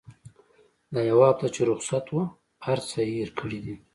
دا يوه هفته چې رخصت وه هرڅه يې هېر کړي دي.